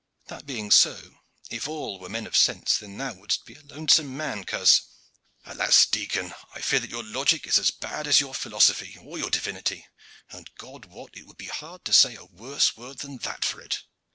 That being so, if all were men of sense then thou wouldst be a lonesome man, coz." "Alas! Dicon, I fear that your logic is as bad as your philosophy or your divinity and God wot it would be hard to say a worse word than that for it.